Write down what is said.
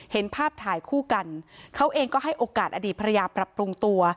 เห็นภาพถ่ายคู่กันเขาเองก็ให้โอกาสอดีตภรรยาปรับปรุงตัว